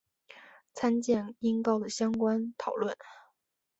参见音高的相关讨论。